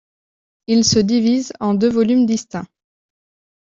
Il se divise en deux volumes distincts.